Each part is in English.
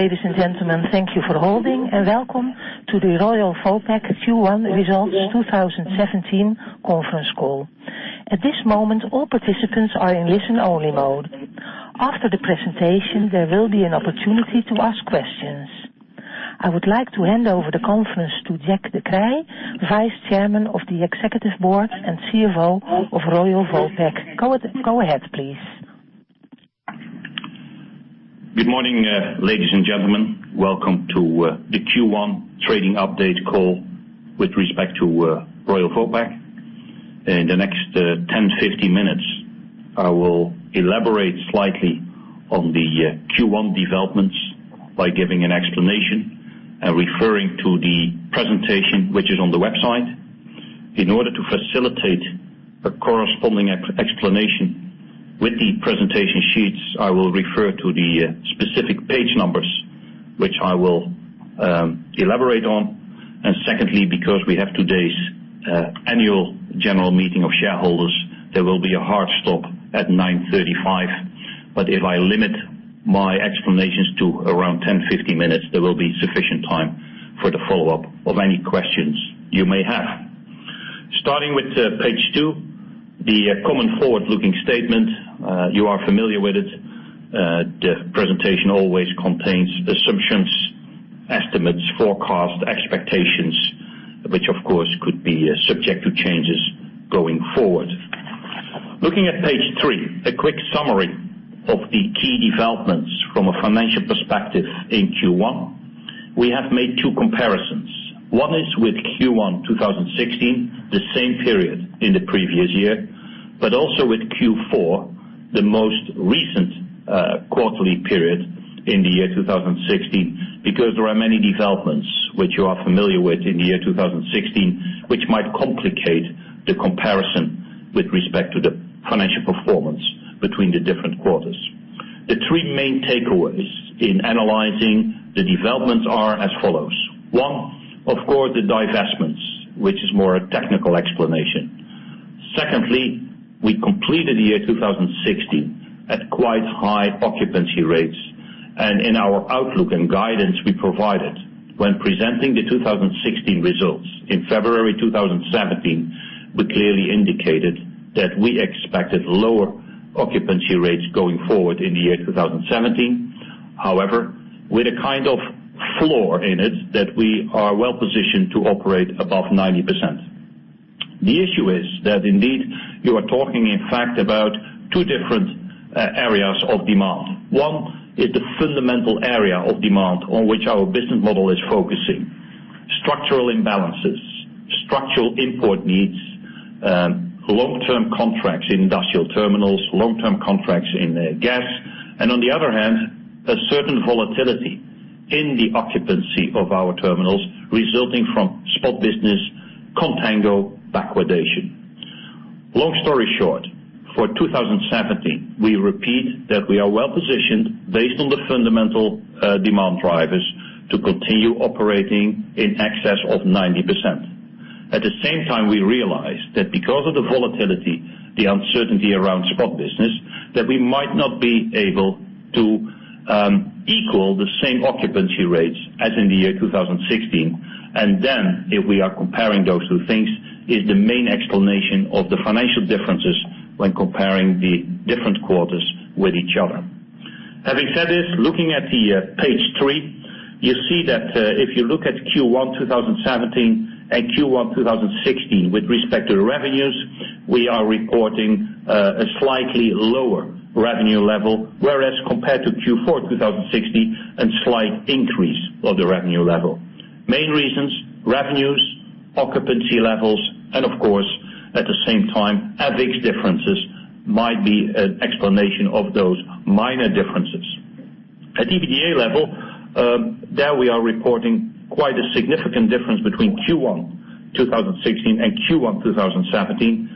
Ladies and gentlemen, thank you for holding and welcome to the Koninklijke Vopak Q1 Results 2017 conference call. At this moment, all participants are in listen-only mode. After the presentation, there will be an opportunity to ask questions. I would like to hand over the conference to Jack de Kreij, Vice Chairman of the Executive Board and CFO of Koninklijke Vopak. Go ahead, please. Good morning, ladies and gentlemen. Welcome to the Q1 trading update call with respect to Koninklijke Vopak. In the next 10, 15 minutes, I will elaborate slightly on the Q1 developments by giving an explanation and referring to the presentation, which is on the website. In order to facilitate a corresponding explanation with the presentation sheets, I will refer to the specific page numbers which I will elaborate on. Secondly, because we have today's Annual General Meeting of shareholders, there will be a hard stop at 9:35 A.M. If I limit my explanations to around 10, 15 minutes, there will be sufficient time for the follow-up of any questions you may have. Starting with page two, the common forward-looking statement. You are familiar with it. The presentation always contains assumptions, estimates, forecasts, expectations, which, of course, could be subject to changes going forward. Looking at page three, a quick summary of the key developments from a financial perspective in Q1. We have made two comparisons. One is with Q1 2016, the same period in the previous year, but also with Q4, the most recent quarterly period in the year 2016, because there are many developments which you are familiar with in the year 2016, which might complicate the comparison with respect to the financial performance between the different quarters. The three main takeaways in analyzing the developments are as follows. One, of course, the divestments, which is more a technical explanation. Secondly, we completed the year 2016 at quite high occupancy rates, and in our outlook and guidance we provided when presenting the 2016 results in February 2017, we clearly indicated that we expected lower occupancy rates going forward in the year 2017. With a kind of floor in it that we are well-positioned to operate above 90%. The issue is that indeed you are talking in fact about two different areas of demand. One is the fundamental area of demand on which our business model is focusing. Structural imbalances, structural import needs, long-term contracts in industrial terminals, long-term contracts in gas, and on the other hand, a certain volatility in the occupancy of our terminals resulting from spot business, contango, backwardation. Long story short, for 2017, we repeat that we are well positioned based on the fundamental demand drivers to continue operating in excess of 90%. At the same time, we realize that because of the volatility, the uncertainty around spot business, that we might not be able to equal the same occupancy rates as in the year 2016. If we are comparing those two things, is the main explanation of the financial differences when comparing the different quarters with each other. Having said this, looking at page three, you see that if you look at Q1 2017 and Q1 2016 with respect to revenues, we are reporting a slightly lower revenue level, whereas compared to Q4 2016, a slight increase of the revenue level. Main reasons, revenues, occupancy levels, and of course, at the same time, FX's differences might be an explanation of those minor differences. At EBITDA level, there we are reporting quite a significant difference between Q1 2016 and Q1 2017,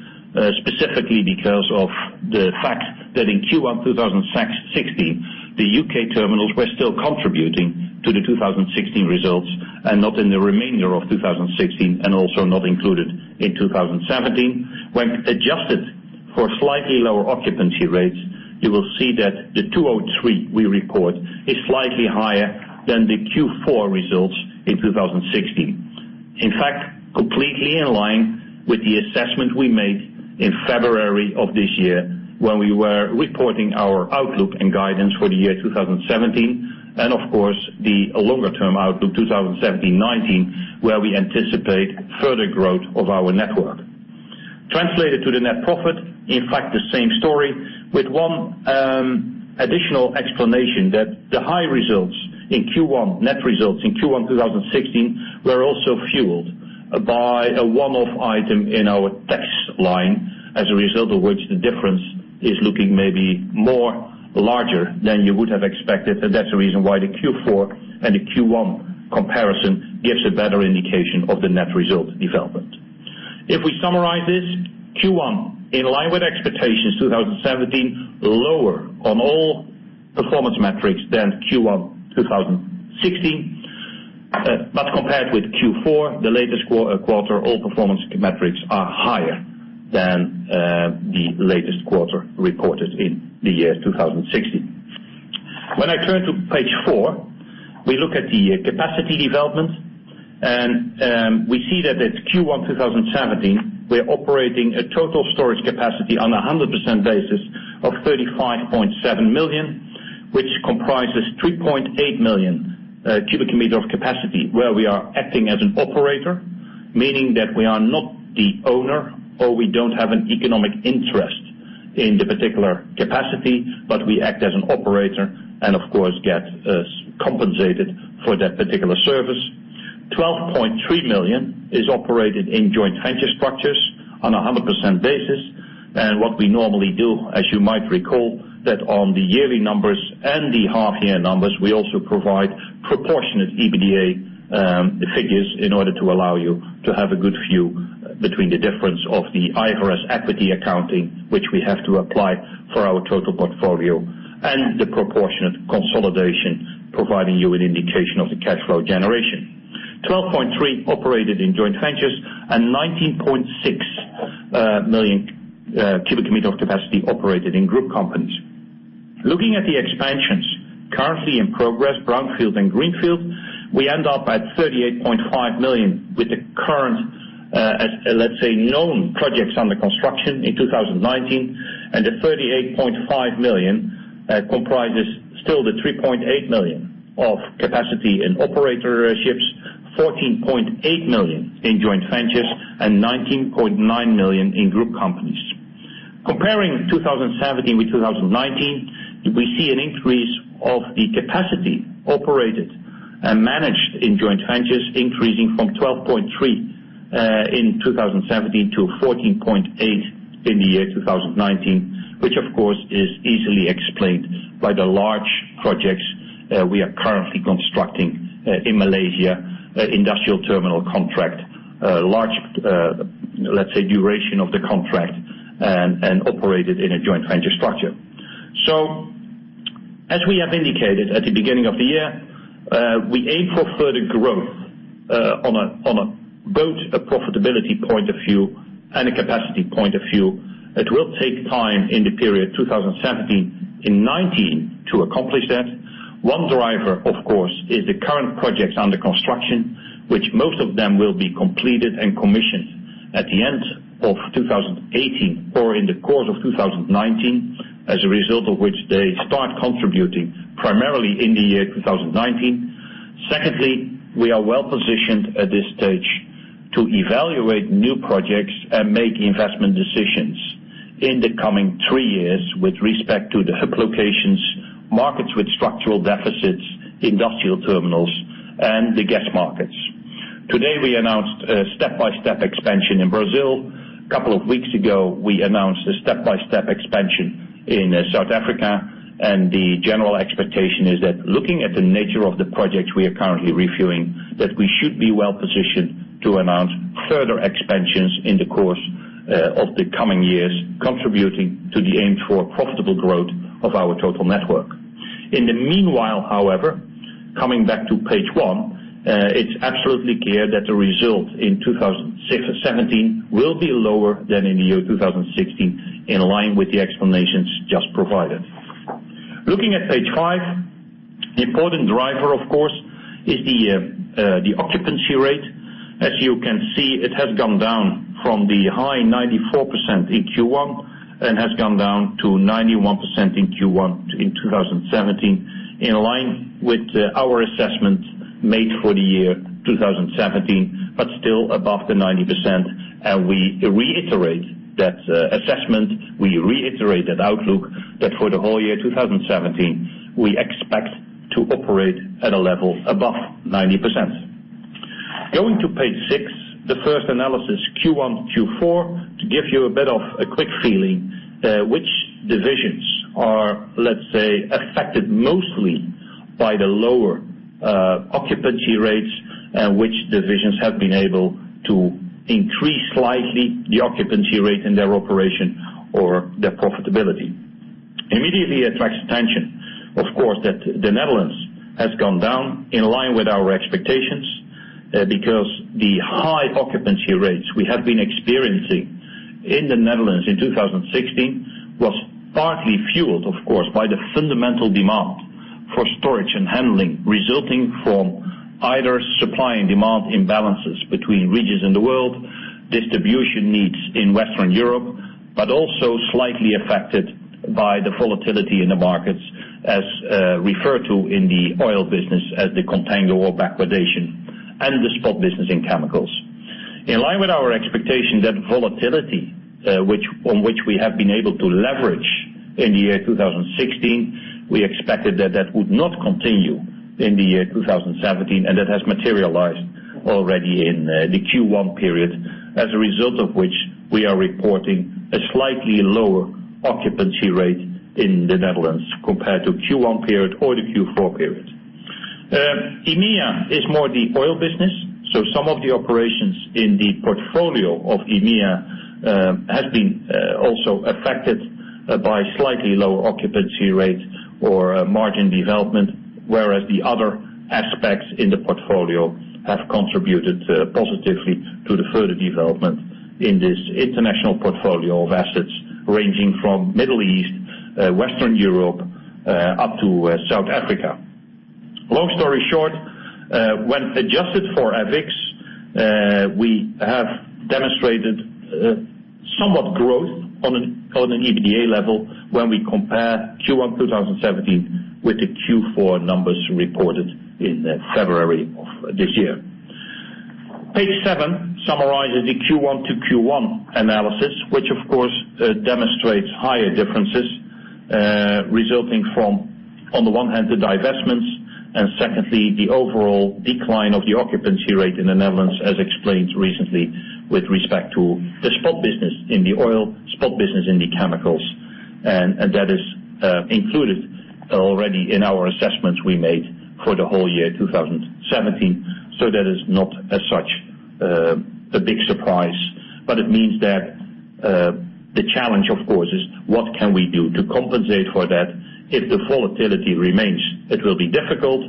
specifically because of the fact that in Q1 2016, the U.K. terminals were still contributing to the 2016 results and not in the remainder of 2016 and also not included in 2017. When adjusted for slightly lower occupancy rates, you will see that the 203 we record is slightly higher than the Q4 results in 2016. In fact, completely in line with the assessment we made in February of this year when we were reporting our outlook and guidance for the year 2017, and of course, the longer-term outlook 2017-2019, where we anticipate further growth of our network. Translated to the net profit, in fact, the same story with one additional explanation that the high results in Q1, net results in Q1 2016, were also fueled by a one-off item in our tax line, as a result of which the difference is looking maybe more larger than you would have expected, and that's the reason why the Q4 and the Q1 comparison gives a better indication of the net result development. If we summarize this, Q1, in line with expectations 2017, lower on all performance metrics than Q1 2016. Compared with Q4, the latest quarter, all performance metrics are higher than the latest quarter reported in the year 2016. When I turn to page four, we look at the capacity development, and we see that at Q1 2017, we're operating a total storage capacity on 100% basis of 35.7 million, which comprises 3.8 million cubic meters of capacity where we are acting as an operator, meaning that we are not the owner or we don't have an economic interest in the particular capacity, but we act as an operator and of course, get compensated for that particular service. 12.3 million is operated in joint venture structures on 100% basis. What we normally do, as you might recall, that on the yearly numbers and the half year numbers, we also provide proportionate EBITDA figures in order to allow you to have a good view between the difference of the IFRS equity accounting, which we have to apply for our total portfolio, and the proportionate consolidation, providing you an indication of the cash flow generation. 12.3 operated in joint ventures and 19.6 million cubic meters of capacity operated in group companies. Looking at the expansions currently in progress, brownfield and greenfield, we end up at 38.5 million with the current, let's say, known projects under construction in 2019, and the 38.5 million comprises still the 3.8 million of capacity in operatorships, 14.8 million in joint ventures and 19.9 million in group companies. Comparing 2017 with 2019, we see an increase of the capacity operated and managed in joint ventures increasing from 12.3 in 2017 to 14.8 in the year 2019, which of course is easily explained by the large projects we are currently constructing in Malaysia, Industrial Terminal contract. Large, let's say, duration of the contract and operated in a joint venture structure. As we have indicated at the beginning of the year, we aim for further growth on both a profitability point of view and a capacity point of view. It will take time in the period 2017 and 2019 to accomplish that. One driver, of course, is the current projects under construction, which most of them will be completed and commissioned at the end of 2018 or in the course of 2019, as a result of which they start contributing primarily in the year 2019. Secondly, we are well positioned at this stage to evaluate new projects and make investment decisions in the coming three years with respect to the hub locations, markets with structural deficits, Industrial Terminals and the gas markets. Today, we announced a step-by-step expansion in Brazil. A couple of weeks ago, we announced a step-by-step expansion in South Africa, and the general expectation is that looking at the nature of the projects we are currently reviewing, that we should be well positioned to announce further expansions in the course of the coming years, contributing to the aim for profitable growth of our total network. In the meanwhile, however, coming back to page one, it's absolutely clear that the result in 2017 will be lower than in the year 2016, in line with the explanations just provided. Looking at page five, the important driver, of course, is the occupancy rate. As you can see, it has gone down from the high 94% in Q1 and has gone down to 91% in Q1 in 2017, in line with our assessment made for the year 2017, but still above the 90%. We reiterate that assessment. We reiterate that outlook, that for the whole year 2017, we expect to operate at a level above 90%. Going to page six, the first analysis, Q1, Q4, to give you a bit of a quick feeling which divisions are, let's say, affected mostly by the lower occupancy rates and which divisions have been able to increase slightly the occupancy rate in their operation or their profitability. Immediately attracts attention, of course, that the Netherlands has gone down in line with our expectations because the high occupancy rates we have been experiencing in the Netherlands in 2016 was partly fueled, of course, by the fundamental demand for Storage and Handling, resulting from either supply and demand imbalances between regions in the world, distribution needs in Western Europe, but also slightly affected by the volatility in the markets as referred to in the oil business as the contango or backwardation and the spot business in chemicals. In line with our expectation, that volatility on which we have been able to leverage in the year 2016, we expected that that would not continue in the year 2017, and that has materialized already in the Q1 period, as a result of which we are reporting a slightly lower occupancy rate in the Netherlands compared to Q1 period or the Q4 period. EMEA is more the oil business. Some of the operations in the portfolio of EMEA has been also affected by slightly lower occupancy rates or margin development, whereas the other aspects in the portfolio have contributed positively to the further development in this international portfolio of assets, ranging from Middle East, Western Europe, up to South Africa. Long story short, when adjusted for Avix, we have demonstrated somewhat growth on an EBITDA level when we compare Q1 2017 with the Q4 numbers reported in February of this year. Page seven summarizes the Q1 to Q1 analysis, which of course, demonstrates higher differences, resulting from, on the one hand, the divestments, and secondly, the overall decline of the occupancy rate in the Netherlands, as explained recently with respect to the spot business in the oil, spot business in the chemicals. That is included already in our assessments we made for the whole year 2017. That is not as such a big surprise, but it means that the challenge, of course, is what can we do to compensate for that? If the volatility remains, it will be difficult.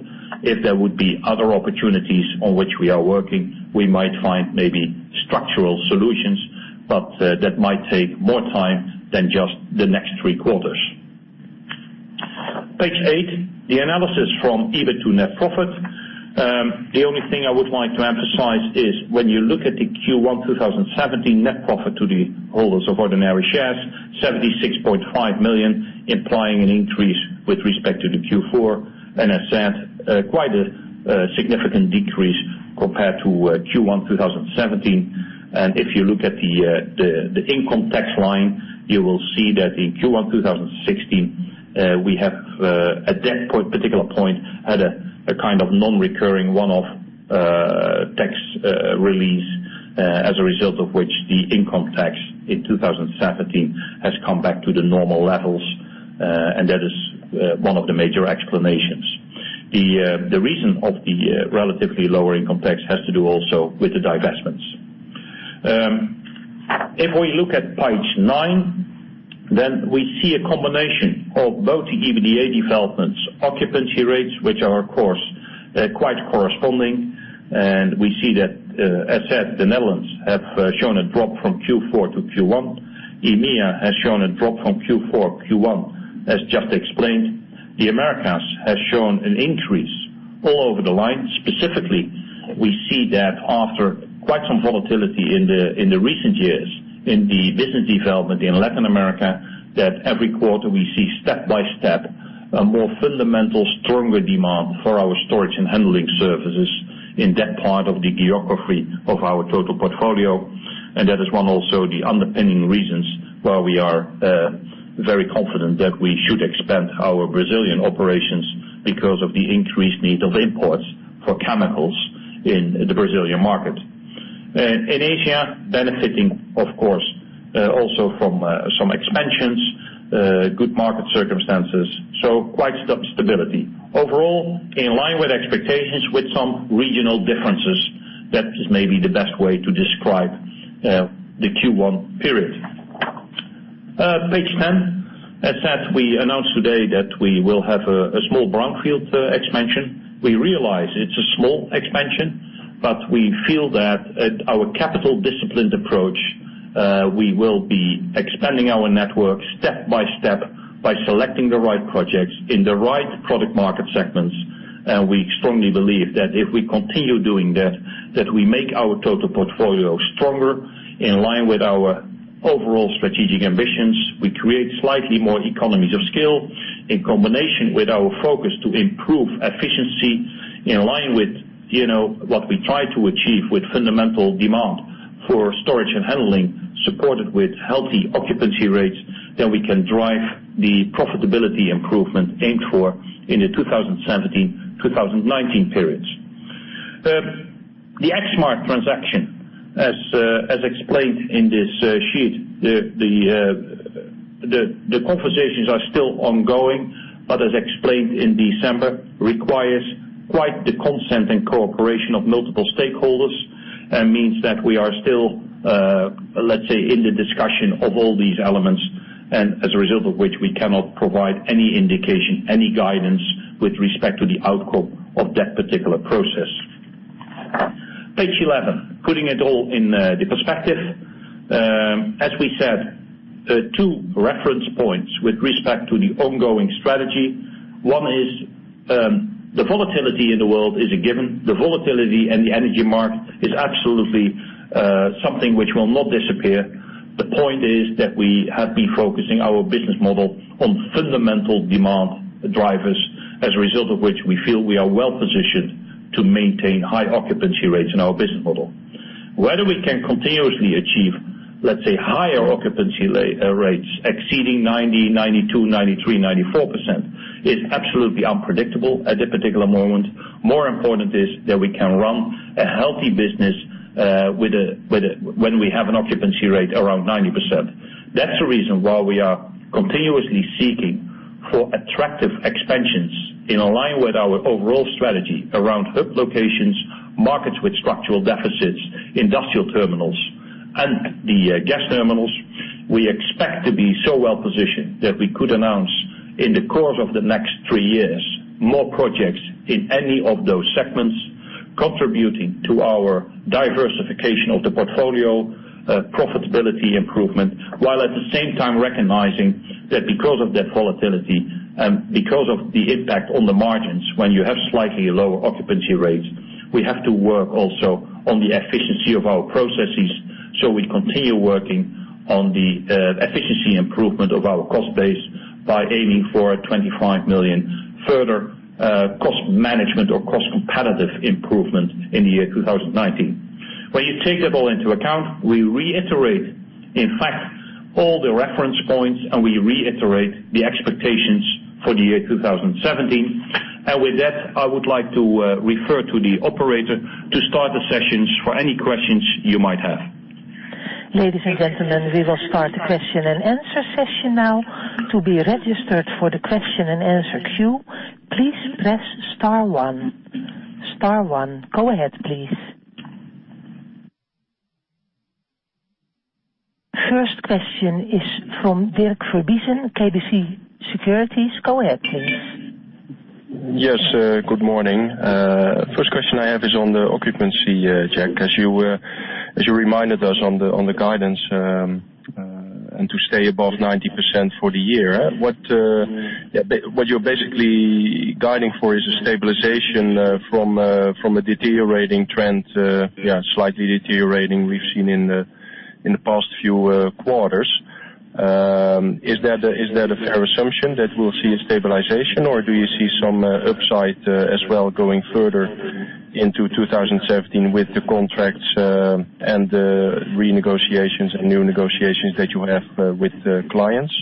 If there would be other opportunities on which we are working, we might find maybe structural solutions, but that might take more time than just the next three quarters. Page eight, the analysis from EBIT to net profit. The only thing I would like to emphasize is when you look at the Q1 2017 net profit to the holders of ordinary shares, 76.5 million, implying an increase with respect to the Q4. As said, quite a significant decrease compared to Q1 2017. If you look at the income tax line, you will see that in Q1 2016, we have, at that particular point, had a kind of non-recurring one-off tax release, as a result of which the income tax in 2017 has come back to the normal levels, and that is one of the major explanations. The reason of the relatively lower income tax has to do also with the divestments. If we look at page nine, then we see a combination of both the EBITDA developments, occupancy rates, which are, of course, quite corresponding. We see that, as said, the Netherlands have shown a drop from Q4 to Q1. EMEA has shown a drop from Q4 to Q1, as just explained. The Americas has shown an increase all over the line. Specifically, we see that after quite some volatility in the recent years in the business development in Latin America, that every quarter we see step by step, a more fundamental, stronger demand for our storage and handling services in that part of the geography of our total portfolio. That is one also the underpinning reasons why we are very confident that we should expand our Brazilian operations because of the increased need of imports for chemicals in the Brazilian market. In Asia, benefiting, of course, also from some expansions, good market circumstances. Quite stability. Overall, in line with expectations with some regional differences. That is maybe the best way to describe the Q1 period. Page 10. As said, we announced today that we will have a small brownfield expansion. We realize it's a small expansion, but we feel that at our capital disciplined approach, we will be expanding our network step by step, by selecting the right projects in the right product market segments. We strongly believe that if we continue doing that we make our total portfolio stronger, in line with our overall strategic ambitions. We create slightly more economies of scale, in combination with our focus to improve efficiency, in line with what we try to achieve with fundamental demand for storage and handling, supported with healthy occupancy rates, then we can drive the profitability improvement aimed for in the 2017/2019 periods. The Exmar transaction, as explained in this sheet, the conversations are still ongoing, but as explained in December, requires quite the consent and cooperation of multiple stakeholders. That means that we are still, let's say, in the discussion of all these elements, and as a result of which, we cannot provide any indication, any guidance with respect to the outcome of that particular process. Page 11, putting it all in the perspective. As we said, two reference points with respect to the ongoing strategy. One is, the volatility in the world is a given. The volatility in the energy market is absolutely something which will not disappear. The point is that we have been focusing our business model on fundamental demand drivers, as a result of which we feel we are well-positioned to maintain high occupancy rates in our business model. Whether we can continuously achieve, let's say, higher occupancy rates exceeding 90%, 92%, 93%, 94%, is absolutely unpredictable at a particular moment. More important is that we can run a healthy business when we have an occupancy rate around 90%. That's the reason why we are continuously seeking for attractive expansions in line with our overall strategy around hub locations, markets with structural deficits, industrial terminals, and the gas terminals. We expect to be so well-positioned that we could announce in the course of the next three years more projects in any of those segments, contributing to our diversification of the portfolio profitability improvement, while at the same time recognizing that because of that volatility and because of the impact on the margins when you have slightly lower occupancy rates, we have to work also on the efficiency of our processes. We continue working on the efficiency improvement of our cost base by aiming for a 25 million further cost management or cost competitive improvement in the year 2019. When you take that all into account, we reiterate, in fact, all the reference points and we reiterate the expectations for the year 2017. With that, I would like to refer to the operator to start the sessions for any questions you might have. Ladies and gentlemen, we will start the question and answer session now. To be registered for the question and answer queue, please press star one. Star one. Go ahead, please. First question is from Dirk Verbiest, KBC Securities. Go ahead, please. Yes, good morning. First question I have is on the occupancy, Jack, as you reminded us on the guidance, to stay above 90% for the year. What you're basically guiding for is a stabilization from a deteriorating trend, slightly deteriorating, we've seen in the past few quarters. Is that a fair assumption that we'll see a stabilization, or do you see some upside as well going further into 2017 with the contracts and the renegotiations and new negotiations that you have with the clients?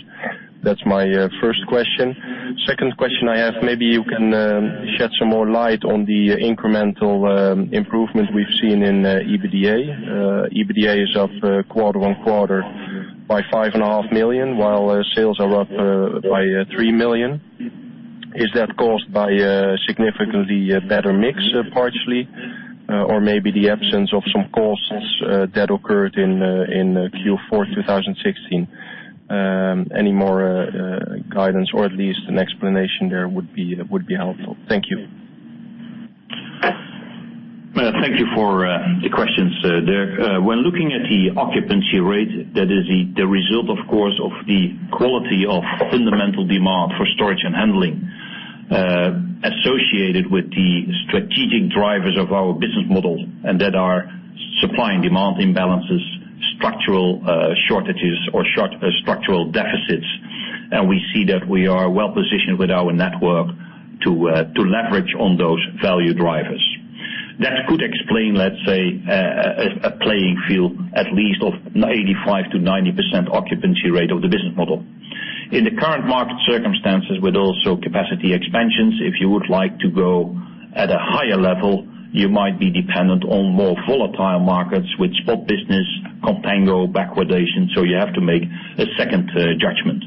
That's my first question. Second question I have, maybe you can shed some more light on the incremental improvement we've seen in EBITDA. EBITDA is up quarter-on-quarter by 5.5 million, while sales are up by 3 million. Is that caused by a significantly better mix partially, or maybe the absence of some costs that occurred in Q4 2016? Any more guidance or at least an explanation there would be helpful. Thank you. Thank you for the questions, Dirk. When looking at the occupancy rate, that is the result, of course, of the quality of fundamental demand for storage and handling associated with the strategic drivers of our business model, and that are supply and demand imbalances, structural shortages or structural deficits. We see that we are well-positioned with our network to leverage on those value drivers. That could explain, let's say, a playing field at least of 85%-90% occupancy rate of the business model. In the current market circumstances with also capacity expansions, if you would like to go at a higher level, you might be dependent on more volatile markets with spot business, contango backwardation, you have to make a second judgment.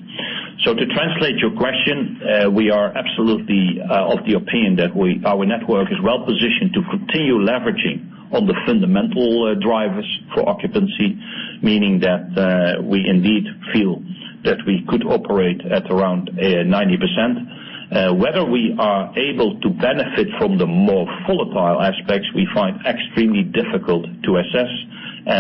To translate your question, we are absolutely of the opinion that our network is well-positioned to continue leveraging on the fundamental drivers for occupancy, meaning that we indeed feel that we could operate at around 90%. Whether we are able to benefit from the more volatile aspects, we find extremely difficult to assess.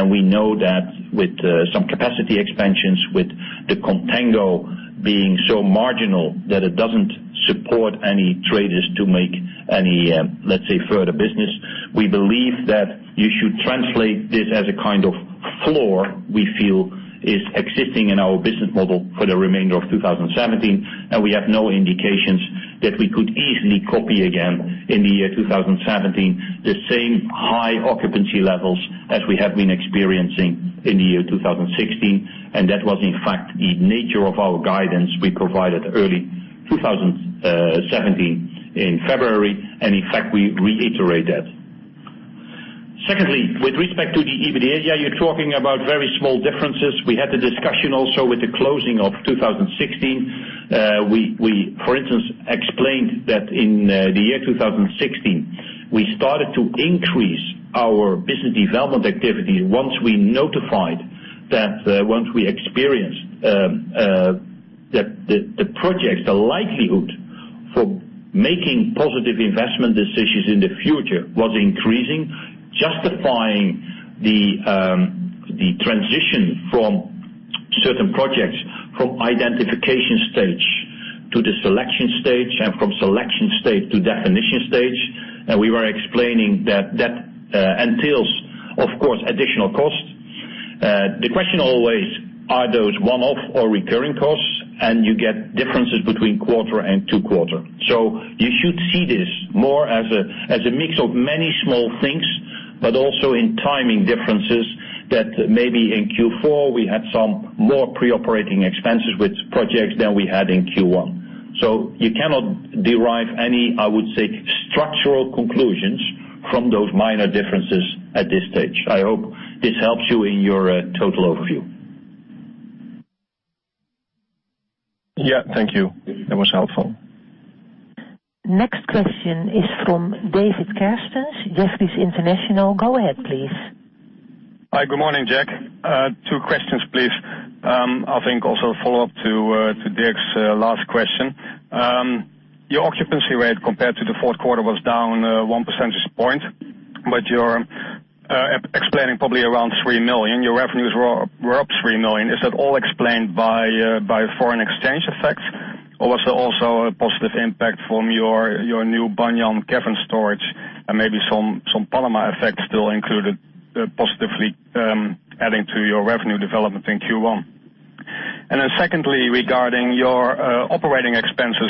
We know that with some capacity expansions, with the contango being so marginal that it doesn't support any traders to make any, let's say, further business. We believe that you should translate this as a kind of floor we feel is existing in our business model for the remainder of 2017. We have no indications that we could easily copy again in the year 2017, the same high occupancy levels as we have been experiencing in the year 2016, and that was in fact the nature of our guidance we provided early 2017 in February. In fact, we reiterate that. Secondly, with respect to the EBITDA, you're talking about very small differences. We had a discussion also with the closing of 2016. We, for instance, explained that in the year 2016, we started to increase our business development activity once we notified that once we experienced that the projects, the likelihood for making positive investment decisions in the future was increasing, justifying the transition from certain projects from identification stage to the selection stage and from selection stage to definition stage. We were explaining that entails, of course, additional costs. The question always, are those one-off or recurring costs? You get differences between quarter and two quarter. You should see this more as a mix of many small things, but also in timing differences that maybe in Q4, we had some more pre-operating expenses with projects than we had in Q1. You cannot derive any, I would say, structural conclusions from those minor differences at this stage. I hope this helps you in your total overview. Thank you. That was helpful. Next question is from David Kerstens, Jefferies International. Go ahead, please. Hi. Good morning, Jack. Two questions, please. I think also a follow-up to Dirk's last question. Your occupancy rate compared to the fourth quarter was down one percentage point, you're explaining probably around 3 million. Your revenues were up 3 million. Is that all explained by foreign exchange effects, or was there also a positive impact from your new Banyan cavern storage and maybe some Panama effect still included positively adding to your revenue development in Q1? Secondly, regarding your operating expenses,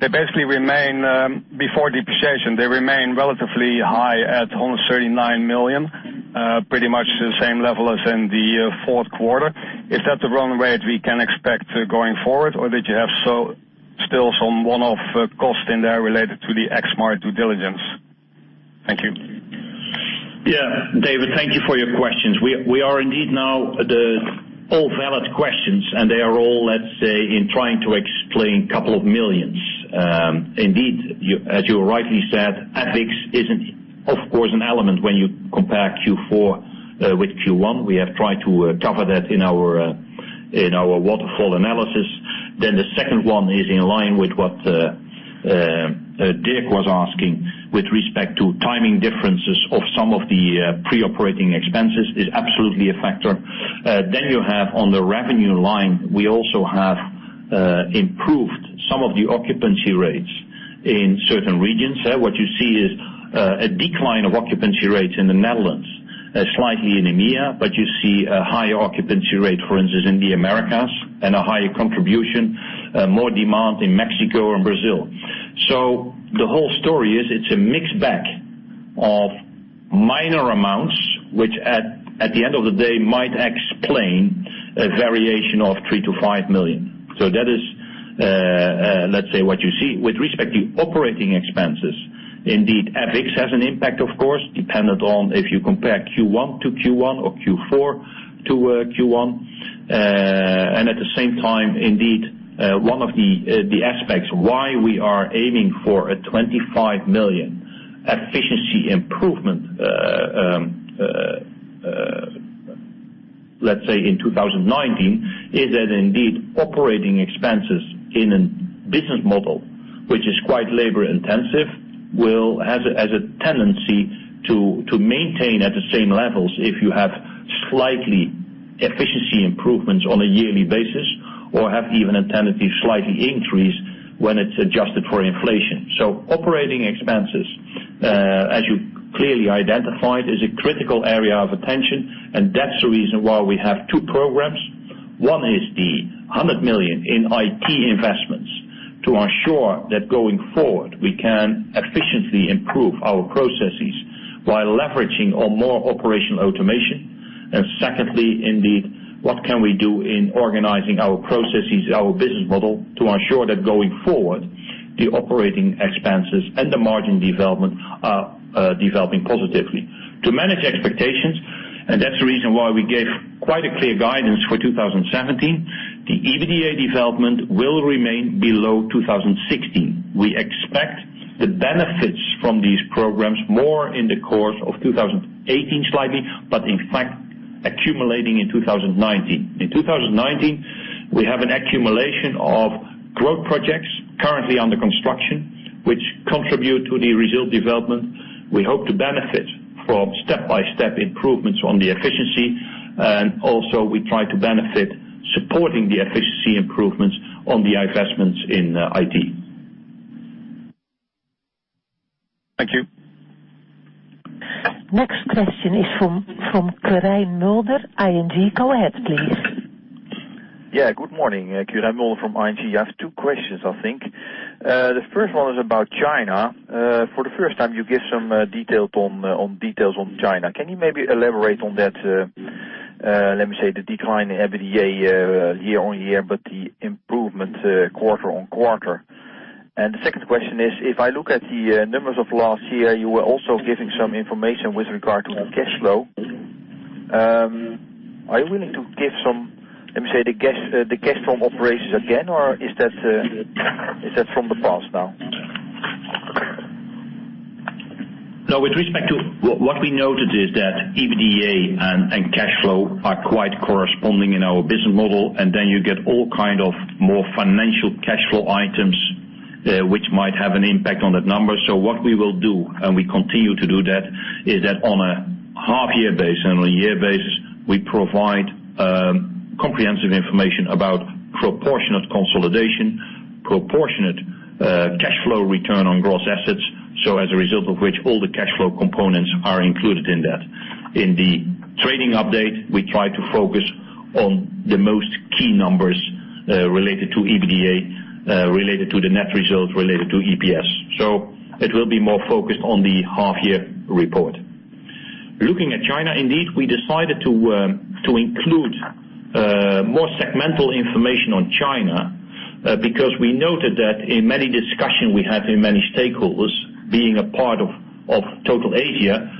before depreciation, they remain relatively high at almost 39 million. Pretty much the same level as in the fourth quarter. Is that the run rate we can expect going forward? Or did you have still some one-off cost in there related to the Exmar due diligence? Thank you. David, thank you for your questions. All valid questions, they are all, let's say, in trying to explain a couple of millions. Indeed, as you rightly said, FX isn't of course an element when you compare Q4 with Q1. We have tried to cover that in our waterfall analysis. The second one is in line with what Dirk was asking with respect to timing differences of some of the pre-operating expenses is absolutely a factor. You have on the revenue line, we also have improved some of the occupancy rates in certain regions. What you see is a decline of occupancy rates in the Netherlands, slightly in EMEA, you see a higher occupancy rate, for instance, in the Americas and a higher contribution, more demand in Mexico and Brazil. The whole story is, it's a mixed bag of minor amounts, which at the end of the day might explain a variation of 3 million-5 million. That is, let's say, what you see. With respect to operating expenses. Indeed, FX has an impact, of course, dependent on if you compare Q1 to Q1 or Q4 to Q1. At the same time, indeed, one of the aspects why we are aiming for a 25 million efficiency improvement, let's say in 2019, is that indeed operating expenses in a business model which is quite labor intensive, has a tendency to maintain at the same levels if you have slightly efficiency improvements on a yearly basis or have even a tendency to slightly increase when it's adjusted for inflation. Operating expenses, as you clearly identified, is a critical area of attention, and that's the reason why we have two programs. One is the 100 million in IT investments to ensure that going forward, we can efficiently improve our processes while leveraging on more operational automation. Secondly, indeed, what can we do in organizing our processes, our business model, to ensure that going forward, the operating expenses and the margin development are developing positively. To manage expectations, and that's the reason why we gave quite a clear guidance for 2017. The EBITDA development will remain below 2016. We expect the benefits from these programs more in the course of 2018 slightly, but in fact accumulating in 2019. In 2019, we have an accumulation of growth projects currently under construction, which contribute to the result development. We hope to benefit from step-by-step improvements on the efficiency. Also we try to benefit supporting the efficiency improvements on the investments in IT. Thank you. Next question is from Quirijn Mulder, ING. Go ahead, please. Good morning. Quirijn Mulder from ING. I have two questions, I think. The first one is about China. For the first time, you give some details on China. Can you maybe elaborate on that, let me say, the decline EBITDA year-on-year, but the improvement quarter-on-quarter. The second question is, if I look at the numbers of last year, you were also giving some information with regard to the cash flow. Are you willing to give some, let me say, the cash from operations again, or is that from the past now? No. With respect to what we noted is that EBITDA and cash flow are quite corresponding in our business model. Then you get all kind of more financial cash flow items which might have an impact on that number. What we will do, and we continue to do that, is that on a half-year basis and on a year basis, we provide comprehensive information about proportionate consolidation, proportionate cash flow return on gross assets. As a result of which all the cash flow components are included in that. In the trading update, we try to focus on the most key numbers related to EBITDA, related to the net results, related to EPS. It will be more focused on the half-year report. Looking at China, indeed, we decided to include more segmental information on China because we noted that in many discussion we had in many stakeholders being a part of total Asia,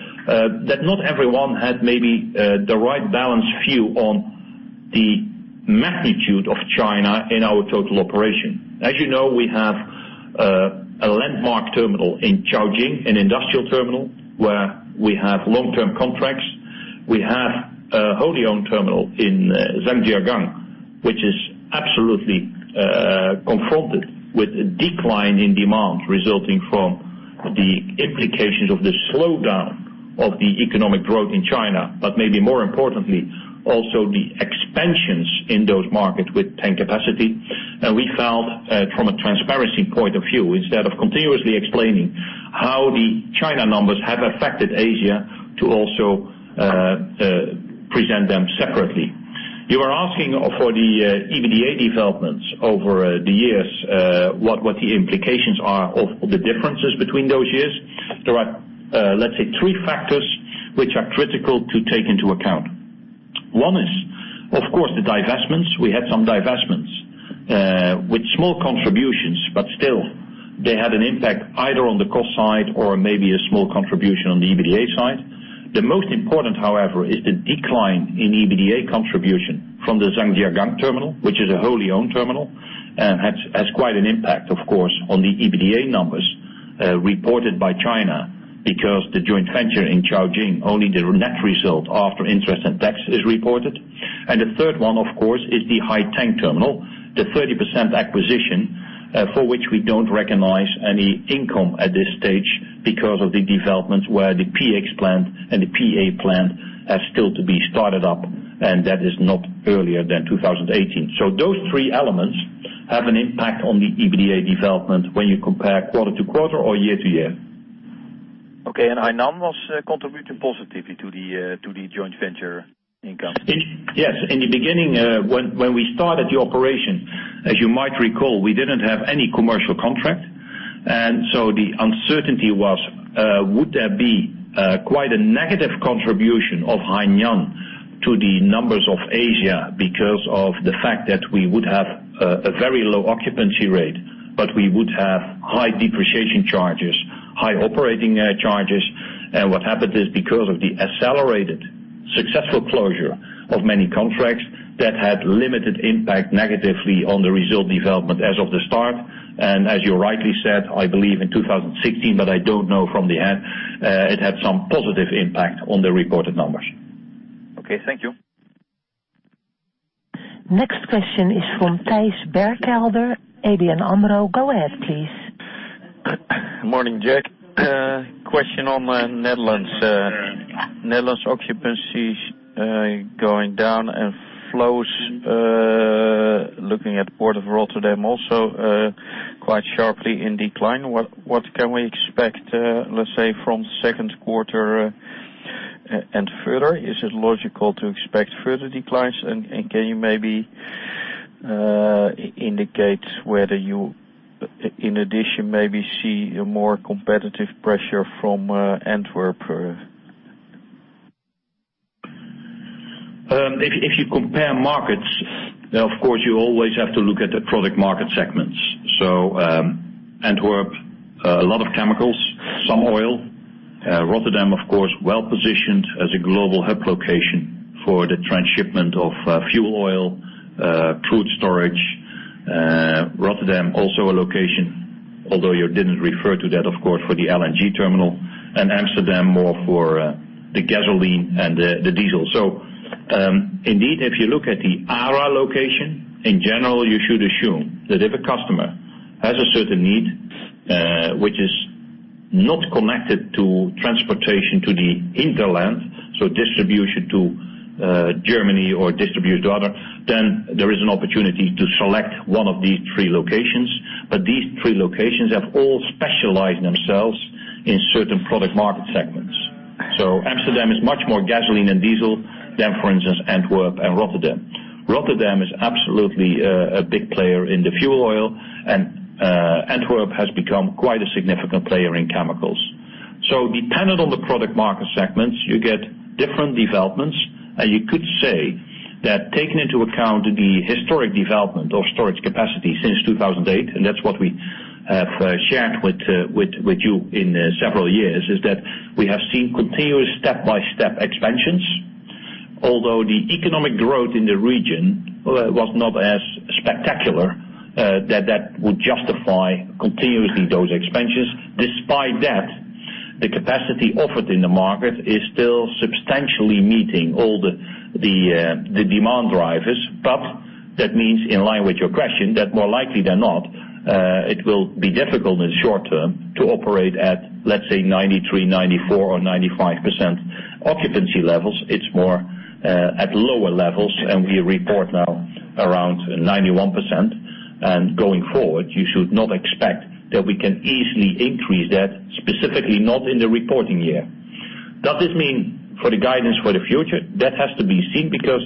that not everyone had maybe the right balance view on the magnitude of China in our total operation. As you know, we have a landmark terminal in Caojing, an industrial terminal where we have long-term contracts. We have a wholly owned terminal in Zhangjiagang, which is absolutely confronted with a decline in demand resulting from the implications of the slowdown of the economic growth in China. Maybe more importantly, also the expansions in those markets with tank capacity. We felt from a transparency point of view, instead of continuously explaining how the China numbers have affected Asia to also present them separately. You are asking for the EBITDA developments over the years, what the implications are of the differences between those years. There are, let's say, three factors which are critical to take into account. One is, of course, the divestments. We had some divestments with small contributions. Still they had an impact either on the cost side or maybe a small contribution on the EBITDA side. The most important, however, is the decline in EBITDA contribution from the Zhangjiagang terminal, which is a wholly owned terminal and has quite an impact, of course, on the EBITDA numbers reported by China, because the joint venture in Caojing, only the net result after interest and tax is reported. The third one, of course, is the Haiteng terminal, the 30% acquisition for which we don't recognize any income at this stage because of the developments where the PX plant and the PTA plant are still to be started up, and that is not earlier than 2018. Those three elements have an impact on the EBITDA development when you compare quarter-to-quarter or year-to-year. Okay. Hainan was contributing positively to the joint venture income? Yes. In the beginning, when we started the operation, as you might recall, we didn't have any commercial contract. The uncertainty was, would there be quite a negative contribution of Hainan to the numbers of Asia because of the fact that we would have a very low occupancy rate, but we would have high depreciation charges, high operating charges. What happened is because of the accelerated successful closure of many contracts, that had limited impact negatively on the result development as of the start. As you rightly said, I believe in 2016, but I don't know from the head, it had some positive impact on the reported numbers. Okay. Thank you. Next question is from Thijs Berkelder, ABN AMRO. Go ahead, please. Morning, Jack. Question on Netherlands. Netherlands occupancy going down and flows, looking at Port of Rotterdam also quite sharply in decline. What can we expect, let's say from second quarter and further? Is it logical to expect further declines? Can you maybe indicate whether you, in addition, maybe see a more competitive pressure from Antwerp? If you compare markets, of course, you always have to look at the product market segments. Antwerp, a lot of chemicals, some oil. Rotterdam, of course, well-positioned as a global hub location for the transshipment of fuel oil, crude storage. Rotterdam also a location, although you didn't refer to that, of course, for the LNG terminal. Amsterdam, more for the gasoline and the diesel. Indeed, if you look at the ARA location, in general, you should assume that if a customer has a certain need which is not connected to transportation to the hinterland, distribution to Germany or distribution to other, then there is an opportunity to select one of these three locations. These three locations have all specialized themselves in certain product market segments. Amsterdam is much more gasoline and diesel than, for instance, Antwerp and Rotterdam. Rotterdam is absolutely a big player in the fuel oil, Antwerp has become quite a significant player in chemicals. Dependent on the product market segments, you get different developments. You could say that taking into account the historic development of storage capacity since 2008, that's what we have shared with you in several years, is that we have seen continuous step-by-step expansions. Although the economic growth in the region was not as spectacular that that would justify continuously those expansions. Despite that, the capacity offered in the market is still substantially meeting all the demand drivers. That means, in line with your question, that more likely than not, it will be difficult in the short term to operate at, let's say, 93%, 94% or 95% occupancy levels. It's more at lower levels, and we report now around 91%. Going forward, you should not expect that we can easily increase that, specifically not in the reporting year. Does this mean for the guidance for the future? That has to be seen because,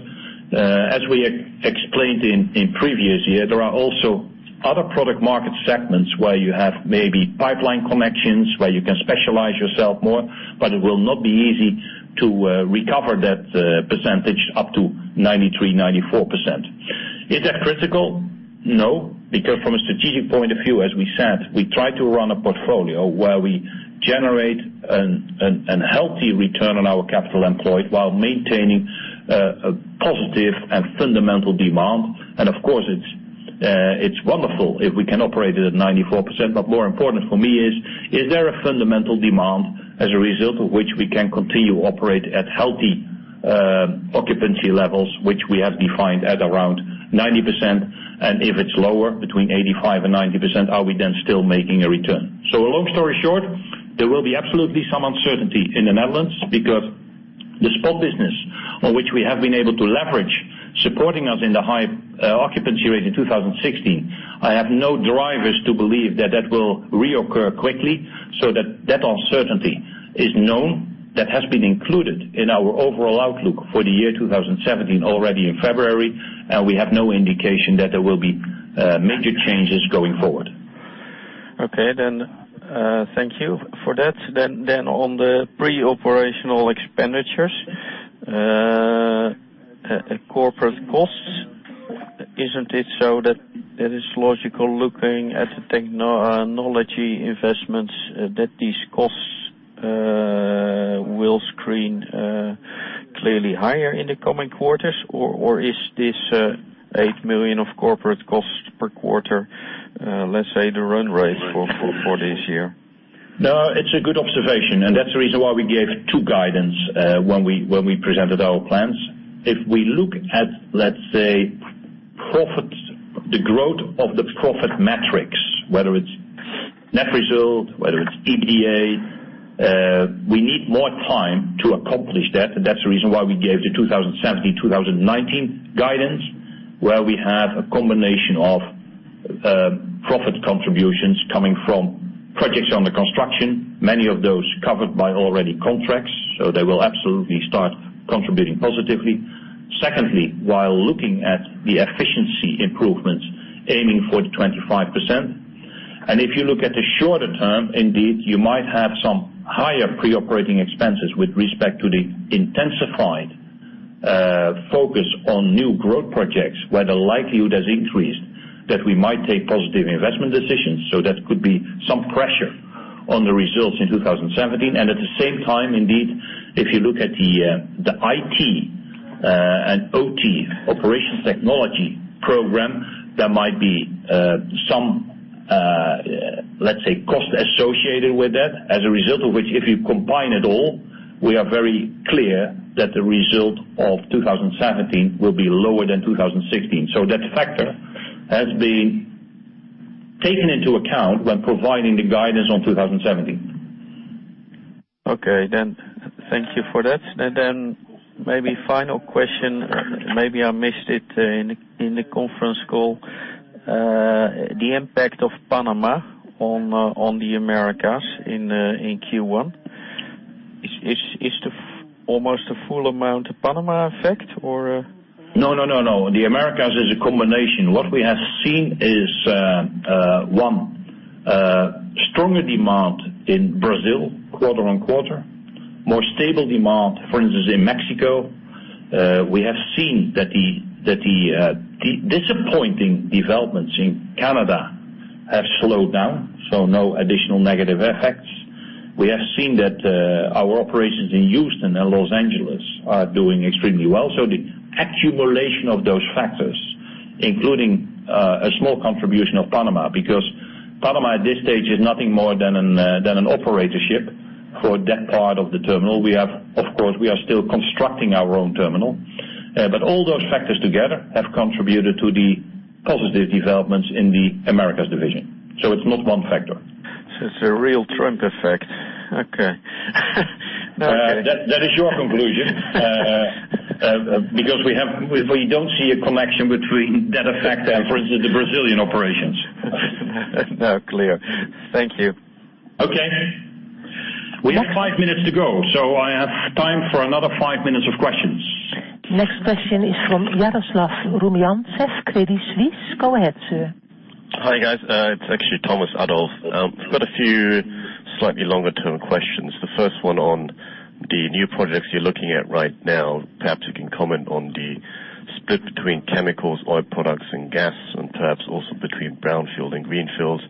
as we explained in previous year, there are also other product market segments where you have maybe pipeline connections where you can specialize yourself more, but it will not be easy to recover that percentage up to 93%-94%. Is that critical? No, because from a strategic point of view, as we said, we try to run a portfolio where we generate a healthy return on our capital employed while maintaining a positive and fundamental demand. Of course, it's wonderful if we can operate it at 94%, but more important for me is there a fundamental demand as a result of which we can continue operating at healthy occupancy levels, which we have defined at around 90%? If it's lower, between 85% and 90%, are we then still making a return? Long story short, there will be absolutely some uncertainty in the Netherlands because the spot business on which we have been able to leverage, supporting us in the high occupancy rate in 2016, I have no drivers to believe that that will reoccur quickly. That uncertainty is known. That has been included in our overall outlook for the year 2017 already in February, we have no indication that there will be major changes going forward. Okay. Thank you for that. On the pre-operational expenditures, corporate costs, isn't it so that it is logical, looking at the technology investments, that these costs will screen clearly higher in the coming quarters? Or is this 8 million of corporate costs per quarter, let's say, the run rate for this year? No, it's a good observation, that's the reason why we gave two guidance when we presented our plans. If we look at, let's say, the growth of the profit metrics, whether it's net result, whether it's EBITDA, we need more time to accomplish that. That's the reason why we gave the 2017-2019 guidance, where we have a combination of profit contributions coming from projects under construction, many of those covered by already contracts, they will absolutely start contributing positively. Secondly, while looking at the efficiency improvements, aiming for the 25%. If you look at the shorter term, indeed, you might have some higher pre-operating expenses with respect to the intensified focus on new growth projects, where the likelihood has increased that we might take positive investment decisions. That could be some pressure on the results in 2017. At the same time, indeed, if you look at the IT and OT, operations technology program, there might be some, let's say, cost associated with that. As a result of which, if you combine it all, we are very clear that the result of 2017 will be lower than 2016. That factor has been taken into account when providing the guidance on 2017. Okay. Thank you for that. Then maybe a final question, maybe I missed it in the conference call. The impact of Panama on the Americas in Q1. Is almost a full amount a Panama effect? No. The Americas is a combination. We have seen is, one, stronger demand in Brazil quarter-on-quarter, more stable demand, for instance, in Mexico. We have seen that the disappointing developments in Canada have slowed down, so no additional negative effects. We have seen that our operations in Houston and Los Angeles are doing extremely well. The accumulation of those factors, including a small contribution of Panama, because Panama at this stage is nothing more than an operatorship for that part of the terminal. Of course, we are still constructing our own terminal. All those factors together have contributed to the positive developments in the Americas division. It's not one factor. It's a real Trump effect. Okay. Okay. That is your conclusion. We don't see a connection between that effect and, for instance, the Brazilian operations. Clear. Thank you. We have five minutes to go, so I have time for another five minutes of questions. Next question is from Jaroslaw Rumian, Credit Suisse. Go ahead, sir. Hi, guys. It's actually Thomas Adolff. Got a few slightly longer-term questions. The first one on the new projects you're looking at right now, perhaps you can comment on the split between chemicals, oil products, and gas, perhaps also between brownfield and greenfields.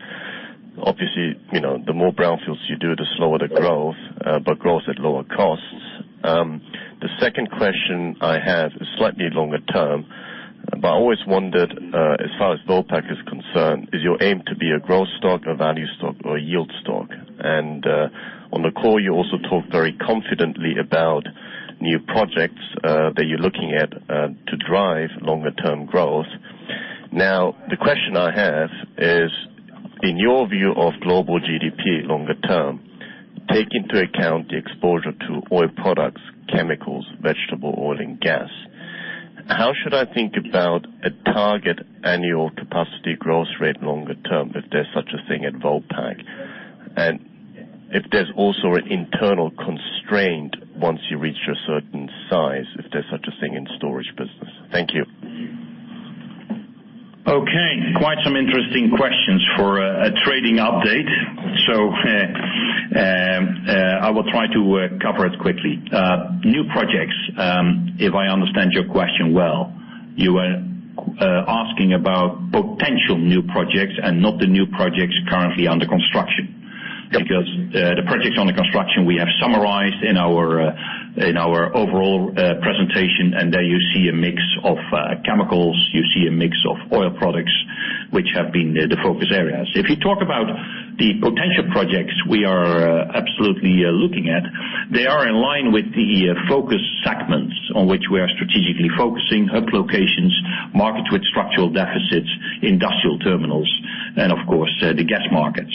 Obviously, the more brownfields you do, the slower the growth, but growth at lower costs. The second question I have is slightly longer term, I always wondered, as far as Vopak is concerned, is your aim to be a growth stock, a value stock, or a yield stock? On the call, you also talked very confidently about new projects that you're looking at to drive longer-term growth. The question I have is, in your view of global GDP longer term, take into account the exposure to oil products, chemicals, vegetable oil, and gas. How should I think about a target annual capacity growth rate longer term, if there's such a thing at Vopak? If there's also an internal constraint once you reach a certain size, if there's such a thing in storage business. Thank you. Okay, quite some interesting questions for a trading update. I will try to cover it quickly. New projects, if I understand your question well, you were asking about potential new projects and not the new projects currently under construction. The projects under construction we have summarized in our overall presentation, there you see a mix of chemicals, you see a mix of oil products, which have been the focus areas. If you talk about the potential projects we are absolutely looking at, they are in line with the focus segments on which we are strategically focusing hub locations, markets with structural deficits, industrial terminals, and of course, the gas markets.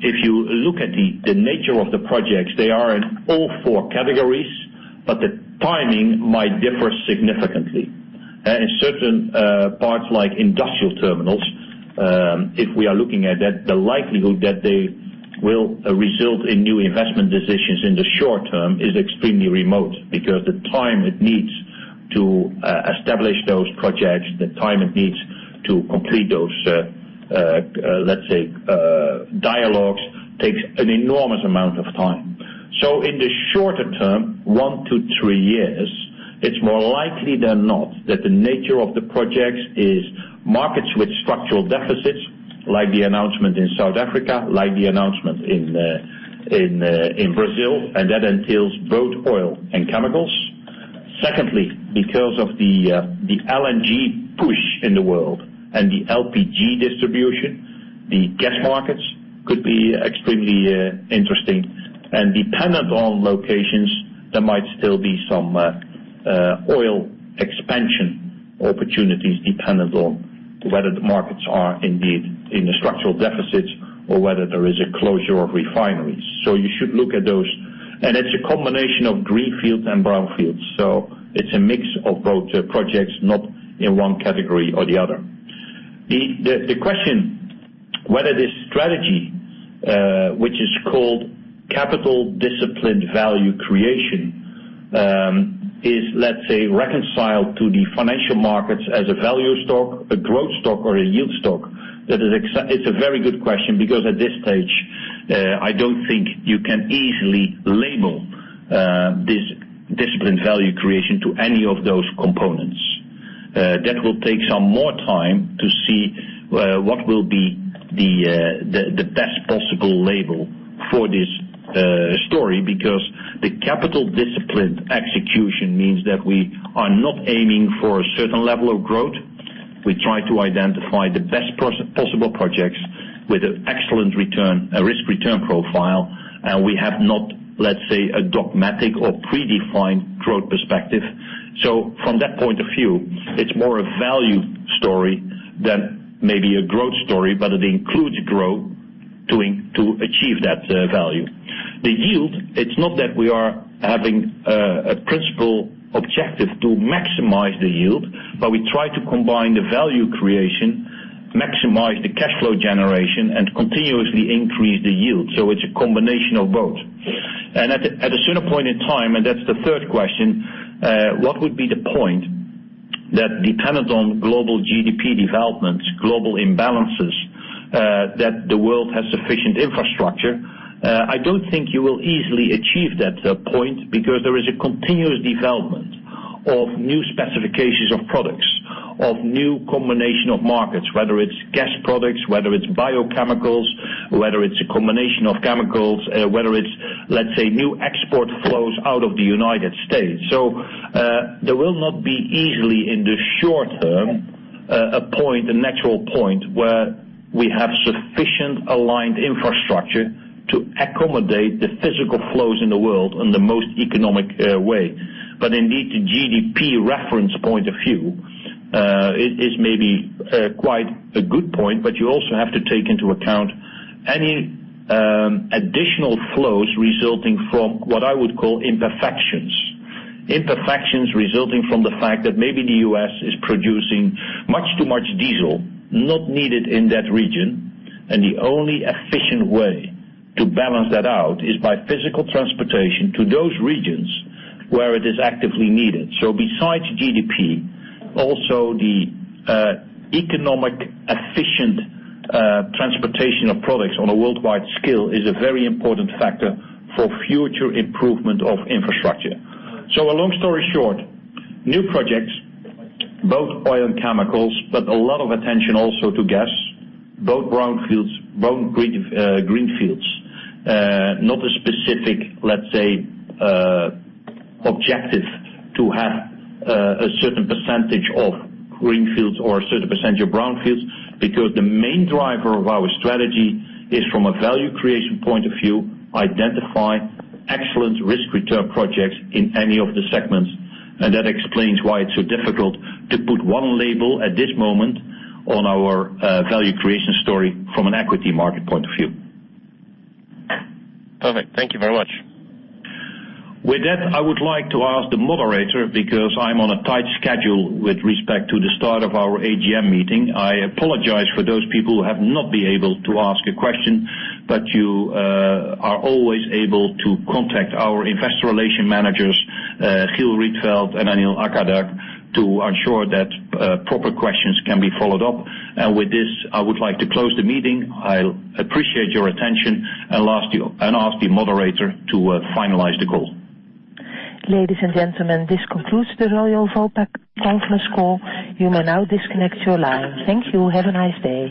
If you look at the nature of the projects, they are in all four categories, the timing might differ significantly. In certain parts like industrial terminals, if we are looking at that, the likelihood that they will result in new investment decisions in the short term is extremely remote, the time it needs to establish those projects, the time it needs to complete those, let's say, dialogues, takes an enormous amount of time. In the shorter term, 1-3 years, it's more likely than not that the nature of the projects is markets with structural deficits, like the announcement in South Africa, like the announcement in Brazil, that entails both oil and chemicals. Secondly, the LNG push in the world and the LPG distribution, the gas markets could be extremely interesting. Dependent on locations, there might still be some oil expansion opportunities, dependent on whether the markets are indeed in a structural deficit or whether there is a closure of refineries. You should look at those. It's a combination of greenfields and brownfields. It's a mix of both projects, not in one category or the other. The question whether this strategy, which is called capital discipline value creation, is, let's say, reconciled to the financial markets as a value stock, a growth stock, or a yield stock. It's a very good question because, at this stage, I don't think you can easily label this discipline value creation to any of those components. That will take some more time to see what will be the best possible label for this story, because the capital discipline execution means that we are not aiming for a certain level of growth. We try to identify the best possible projects with an excellent risk-return profile, and we have not, let's say, a dogmatic or predefined growth perspective. From that point of view, it's more a value story than maybe a growth story, but it includes growth to achieve that value. The yield, it's not that we are having a principal objective to maximize the yield, but we try to combine the value creation, maximize the cash flow generation, and continuously increase the yield. It's a combination of both. At a certain point in time, and that's the third question, what would be the point that dependent on global GDP developments, global imbalances, that the world has sufficient infrastructure? I don't think you will easily achieve that point, because there is a continuous development of new specifications of products, of new combination of markets, whether it's gas products, whether it's biochemicals, whether it's a combination of chemicals, whether it's, let's say, new export flows out of the U.S. There will not be easily, in the short term, a natural point where we have sufficient aligned infrastructure to accommodate the physical flows in the world in the most economic way. Indeed, the GDP reference point of view is maybe quite a good point, but you also have to take into account any additional flows resulting from, what I would call, imperfections. Imperfections resulting from the fact that maybe the U.S. is producing much too much diesel not needed in that region, and the only efficient way to balance that out is by physical transportation to those regions where it is actively needed. Besides GDP, also the economic efficient transportation of products on a worldwide scale is a very important factor for future improvement of infrastructure. A long story short, new projects, both oil and chemicals, but a lot of attention also to gas, both brownfields, both greenfields. Not a specific, let's say, objective to have a certain percentage of greenfields or a certain percentage of brownfields, because the main driver of our strategy is from a value creation point of view, identify excellent risk return projects in any of the segments. That explains why it's so difficult to put one label at this moment on our value creation story from an equity market point of view. Perfect. Thank you very much. With that, I would like to ask the moderator, because I'm on a tight schedule with respect to the start of our AGM meeting. I apologize for those people who have not been able to ask a question, but you are always able to contact our investor relation managers, Chiel Rietveld and Anil Arcardağ, to ensure that proper questions can be followed up. With this, I would like to close the meeting. I appreciate your attention and ask the moderator to finalize the call. Ladies and gentlemen, this concludes the Koninklijke Vopak conference call. You may now disconnect your line. Thank you. Have a nice day.